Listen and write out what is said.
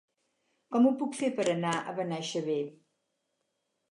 Com ho puc fer per anar a Benaixeve?